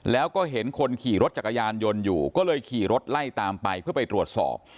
แล้วก็เห็นคนขี่รถจักรยานยนต์อยู่ก็เลยขี่รถไล่ตามไปเพื่อไปตรวจสอบ